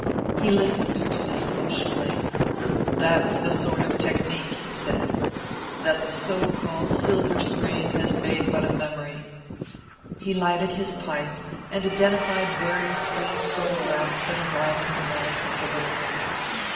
He listened to this emotionally. "That's the sort of technique," he said, "that the so called silver screen has made but a memory." He lighted his pipe, and identified various framed photographs that enlivened the walls of the little room.